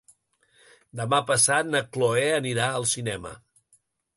Demà passat na Chloé anirà al cinema.